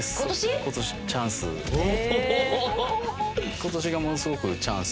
ことしがものすごくチャンス。